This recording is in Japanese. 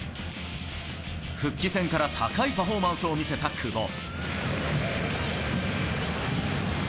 復帰戦から高いパフォーマンスを見せた久保。